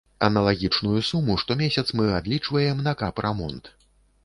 Аналагічную суму штомесяц мы адлічваем на капрамонт.